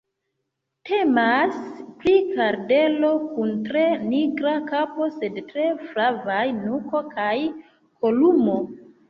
Temas pri kardelo kun tre nigra kapo, sed tre flavaj nuko kaj kolumo.